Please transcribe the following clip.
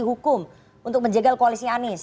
hukum untuk menjegal koalisi anies